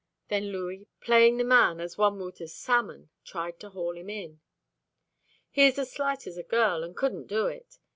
Then Louis, playing the man as one would a salmon, tried to haul him in. He is as slight as a girl, and couldn't do it.